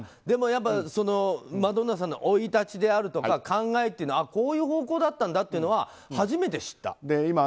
でも、マドンナさんの生い立ちであるとか考えというのはこういう方向だったんだというのは初めて知った。